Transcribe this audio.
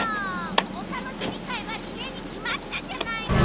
おたのしみかいはリレーにきまったじゃないの！